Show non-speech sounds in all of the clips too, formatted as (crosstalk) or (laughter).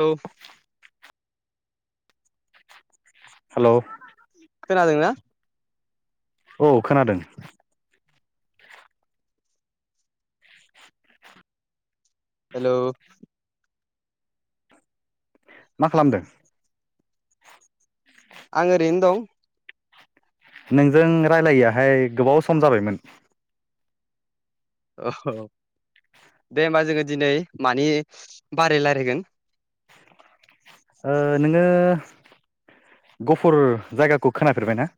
औ हेलौ खोनादोंना औ खोनादों (inaudible) हेलौ मा खालामदों? आं ओरैनो दं नोंजों रायलायो आहाय गोबाव सम जाबायमोन औ दे होमबा जोङो दिनै मानि बाराय रायज्लायगोन ओ नोङो गहफुर जायगाखौ खोनाफेरबायना?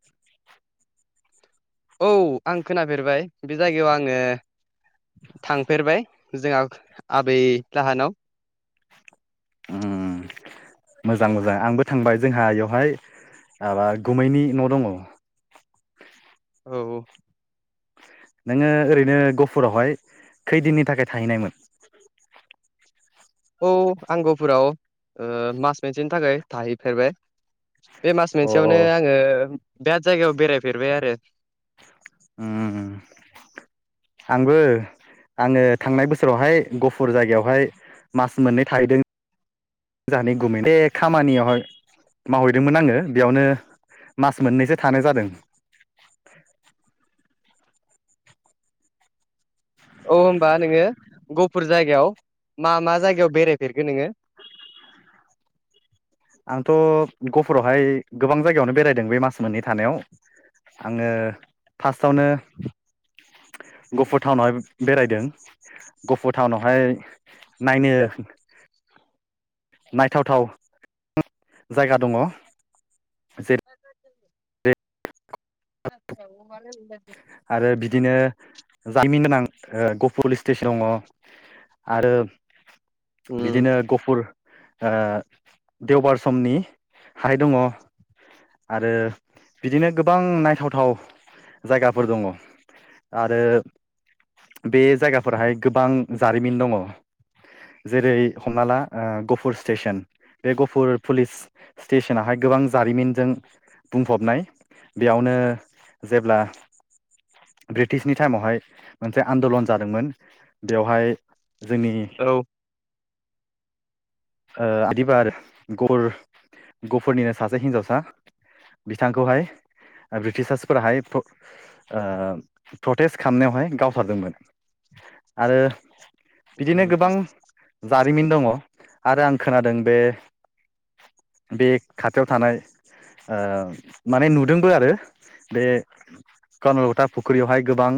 औ आं खोनाफेरबाय बे जायगायाव आङो थांफेरबाय जोंहा आबै लाहानाव उम (inaudible) मोजां मोजां आंबो थांबाय जोंहा बेवहाय माबा गुमैनि न' दङ औ नोङो ओरैनो गहफुरावहाय खैदिननि थाखाय थाहैनायमोन? औ आंगोफोराव ओ मास मोनसेनि थाखाय थाहैफेरबाय बे मास अ अ मोनसेयावनो आङो बिराद जायगायाव बेरायफेरबाय आरो उम आंबो आङो थांनाय बोसोरावहाय गफुर जायगायावहाय मास मोननै थाहैदों जानाय गुमै दे खामानियावहाय मावहैदोंमोन आङो बेयावनो मास मोननैसो थानाय जादों (inaudible) औ होमबा नोङो गहफुर जायगायाव मा मा जायगायाव बेरायफेरखो नोङो? आंथ' गहफुरावहाय गोबां जायगायावनो बेरायदों बे मास मोननै थानायाव। आङो फार्स्टआवनो (inaudible) गहफुर टाउनावहाय बेरायदों। गहफुर टाउनावहाय नायनो (inaudible) नायथावथाव जायगा दङ जेरै (inaudible) आरो बिदिनो जारिमिन गोनां ओ गहफुरनि स्टेसन दङ आरो उम बिदिनो गहफुर ओ देवबार समनि हाथाय दङ आरो बिदिनो गोबां नायथावथाव जायगाफोर दङ आरो बे जायगाफोराहाय गोबां जारिमिन दङ जेरै हमना ला ओ गहफुर स्टेसन बे गहफुर पुलिस स्टेसनाहाय गोबां जारिमिनजों बुंफबनाय। बेयावनो जेब्ला ब्रिटिशनि टाइमावहाय मोनसे आन्दलन जादोंमोन बेवहाय जोंनि औ ओ (unintelligible) गहफुर गहफुरनिनो सासे हिनजावसा बिथांखौहाय ब्रिटिसार्सफोराहाय प्र-प्रटेस्ट खालामनायावहाय गावथारदोंमोन आरो बिदिनो गोबां जारिमिन दङ आरो आं खोनादों बे बे खाथियाव थानाय ओ माने नुदोंबो आरो बे कनकलथा फुख्रियावहाय गोबां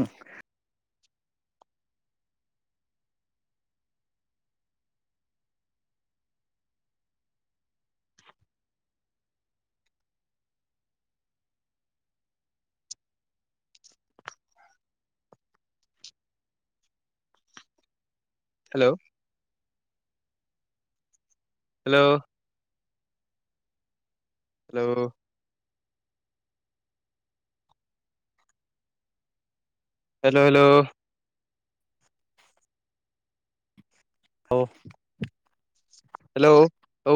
hello? Hello? Hello? Hello hello? Hello? Hello औ।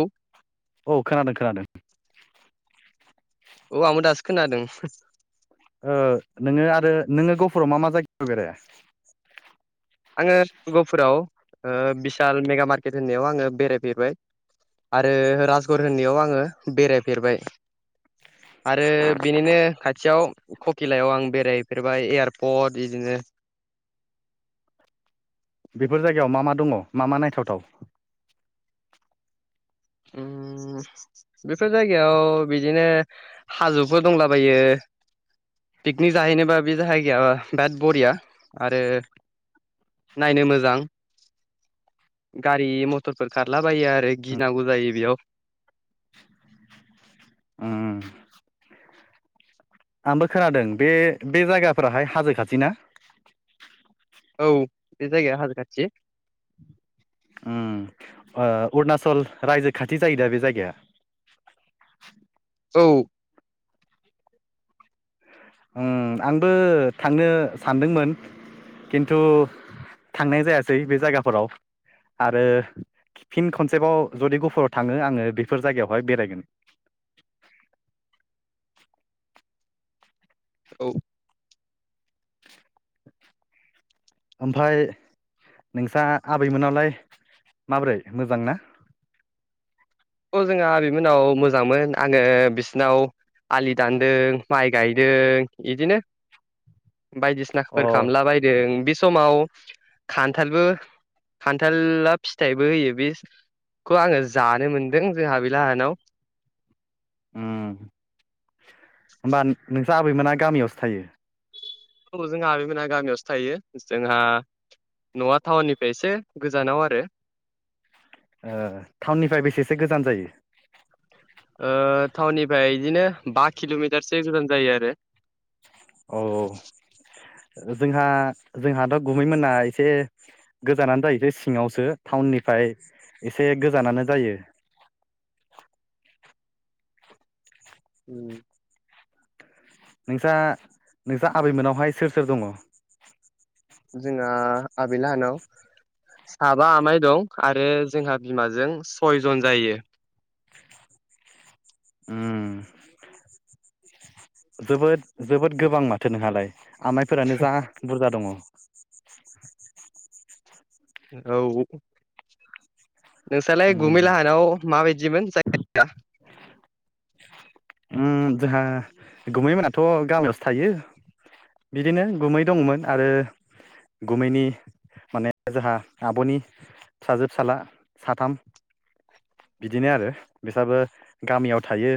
औ खोनादों खोनादों। औ आंबो दासो खोनादों। ओ नोङो आरो नोङो गहफुराव मा मा जायगायाव बेराया? आङो गहफुराव बिशाल मेगा मार्केट होननायाव आङो बेरायफेरबाय आरो राजगर होननायाव आङो बेरायफेरबाय आरो बिनिनो खाथियाव ककिलायाव आं बेरायफेरबाय एयारपर्ट बिदिनो (unintelligible) बेफोर जायगायाव मा मा दङ मा मा नायथावथाव? ओम बेफोर जायगायाव बिदिनो हाजोफोर दंलाबायो। पिकनिक जाहैनोबा बे जायगाया बिराद बरिया आरो नायनो मोजां गारि मथरफोर खारलाबायो आरो गि नांगौ जायो बियाव। ओम। आंबो खोनादों बे बे जायगाफोराहाय हाजो खाथि ना? औ बे जायगाया हाजो खाथि। ओम ओ अरुनाचल रायजो खाथि जायो दा बे जायगाया? औ ओम आंबो थांनो सानदोंमोन खिन्थु थांनाय जायासै बे जायगाफोराव आरो फिन खनसेबाव जुदि गुफुराव थाङो आङो बेफोर जायगायावहाय बेरायगोन (inaudible) औ ओमफ्राय नोंस्रा आबैमोनावलाय माबोरै मोजां ना खौ जोंङो आबैमोननाव मोजांमोन आङो बिसिनाव आलि दानदों माइ गायदों इदिनो बायदिसिनाफोर अ खालामामला बयदों बे समाव खान्थालबो खान्थला फिथाइबो होयो बे खौ आङो जानो मोन- दों जोंहा आबै लाहानाव उम होमबा नोंस्रा आबैमोना गामियावसो थायो। औ जोंहा आबैमोनहा गामियावसो थायो जोंहा न'आ टाउननिफ्राय एसे गोजानाव आरो ओ टाउननिफ्राय बेसेसो गोजान जायो ओ टाउननिफ्राय इदिनो बा किल'मिटारसो गोजान जायो आरो औ औ जोंहा जोंहाथ' गुमैमोना एसे गोजानानो जायोसै सिङावसो टाउननिफ्राय एसे गोजानानो जायो (inaudible) उम नोंसा नोंसा आबैमोनावहाय सोर सोर दङ जोंहा आबैलाहानाव साबा आमाइ दं आरो जोंहा बिमाजों सयजन जायो (inaudible) उम जोबोद जोबोद गोबां माथो नोंहालाय आमाइफोरानो जा बुरजा दङ (inaudible) औ नोंस्रालाय गुमैलाहानाव मा बायदिमोन जायगाया जोंहा गुमै मोनाथ' गामियावसो थायो बिदिनो गुमै दङमोन आरो गुमैनि माने जोंहा आब'नि फिसाजो फिसाला साथाम बिदिनो आरो बिसाबो गामियाव थायो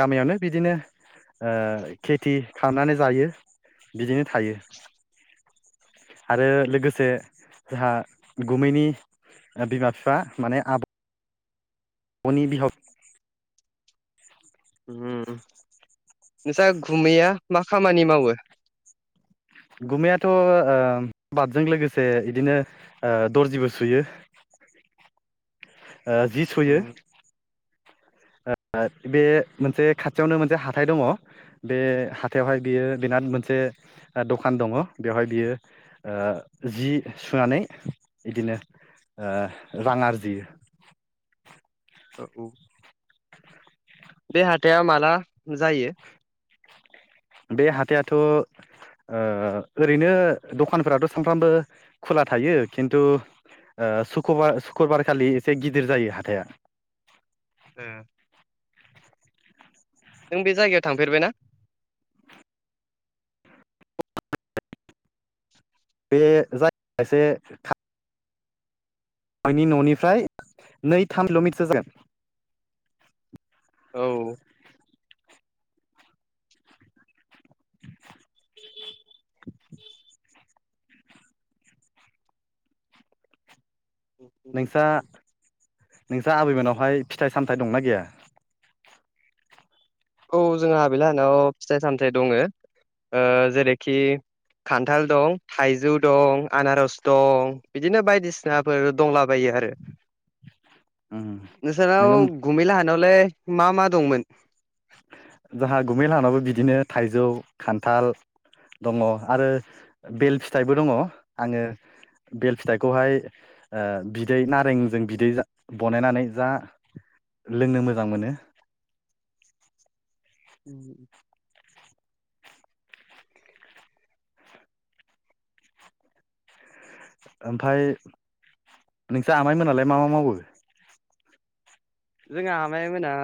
गामियावनो बिदिनो ओ खेथि खालामनानै जायो बिदिनो थायो आरो लोगोसे जोंहा गुमैनि ओ बिमा बिफा माने आब'- बनि बिहाव उम नोंसा गुमैया मा खामानि मावो? गुमैयाथ' ओ बादजों लोगोसे इदिनो दर्जिबो सुयो ओ जि सुयो ओ बे मोनसे खाथियावनो मोनसे हाथाय दङ बे हाथायावहाय बियो बेनाद से ओ दखान दङ बेयावहाय बियो ओ जि सुनानै इदि- नों ओ रां आरजियो ओ औ बे हाथाया माला जायो बे हाथायाथ' ओ ओरैनो दखानफोराथ' सानफ्रामबो खुला थायो खिन्थु ओ सुखबार सुक्रुबारखालि एसे गिदिर जायो हाथाया उम नों बे जायगायाव थांफेरबायनाा बे जायग खायसे था आंनि न'निफ्राय नै थामल'मिटसो जागोन औ (inaudible) (unintelligible) दा आबैमोनावहाय फिथाइ सामथाय दंना गैया औ जोंहा आबैलाहानाव फिथाइ सामथाइ दङ जेरैखि खान्थाल दं थाइजौ दं आनारस दं बिदिनो बायदिसिनाफोर दंलाबायो दे आरो उम नोंसोरनाव नोङो गुमैलाहानाव नावलाय मा मा दंमोन जाहा गुमैलाहानावबो बिदिनो थाइजौ खान्थाल दङ आरो बेल फिथाइबो दङ आंङो बेल फिथाइखौहाय बिदै नारेंजों बिदै बानायनानै जा लोंनो मोजां मोनो उम ओमफाय नोंसा आमाइ मोनालाय मा मा मावो जोंहा आमाय मोना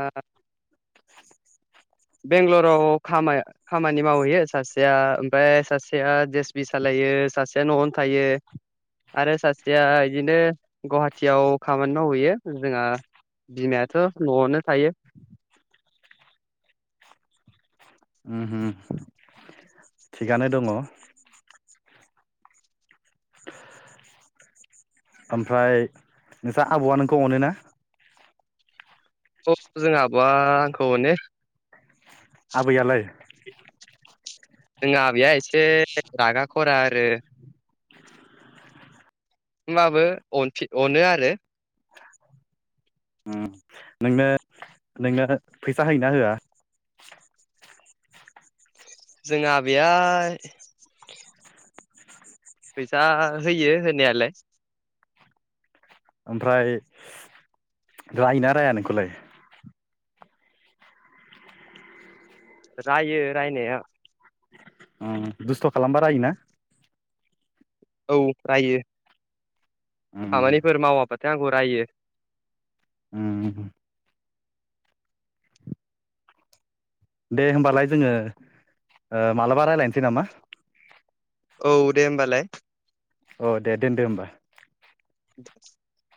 बेंग्लराव खामा खामानि मावहैयो सासेया ओमफाय सासेया जे एस बि सालायो थायो सासे नआवनो थायो आरो सासेया इदिनो गुवाहाटियाव खामानि मावहैयो जोंहा बिमायाथ' न'आवनो थायो उम उम थिगानो दंङ (unintelligible) ओमफ्राय नोंस्रा आबै'आ नोंखौ अनो ना थस जोंहा आबौवा आंखौ अनो आबैयालाय (unintelligible) जोंहा आबैया एसे रागा खरा आरो होमबाबो अनफिन अनो आरो नोंनो नोंनो फैसा होयोना होआ जोंहा आबैआ फैसा होयो होनायालाय ओमफ्राय रायना राया नोंखौलाय रायो रायनाया दुस्थ खालामबा रायोना औ रायो उम खामानिफोर मावाब्लाथाय आंखौ रायो उम दे होमबालाय जोंङो ओ मालाबा रायजलायनोसै नामा औ दे होमबालाय औ दे दोनदो होमबा (unintelligible)